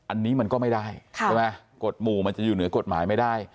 อันนี้มันก็ไม่ได้ใช่ไหมกฎหมู่มันจะอยู่เหนือกฎหมายไม่ได้